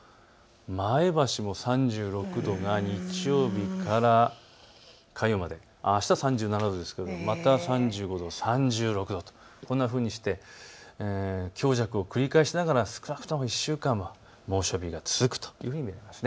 前橋も３６度が日曜日から火曜まで、あした３７度ですけれどまた３５度、３６度、こんなふうにして強弱を繰り返しながら少なくとも１週間は猛暑日が続くというふうに見られます。